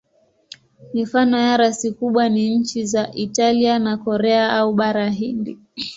Mifano ya rasi kubwa ni nchi za Italia na Korea au Bara Hindi.